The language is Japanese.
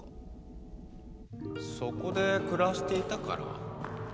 そこで暮らしていたから？